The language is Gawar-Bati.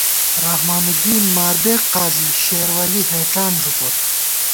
رحمان الدین، ماربیگ قاضی، شیرولی ہېڄان ݫُوپوت